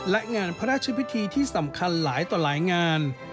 และงานพระราชพิธีที่สำคัญหลายต่อหลายงาน